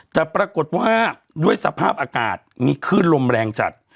แต่ปรากฏว่าด้วยสภาพอากาศมีคลื่นลมแรงจัด